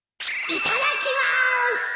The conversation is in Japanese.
いただきます